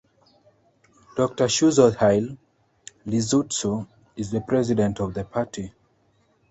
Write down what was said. Doctor Shurhozelie Liezietsu is the president of the party.